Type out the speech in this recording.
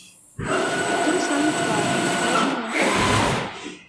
Той самы твар, тая ж меланхолія.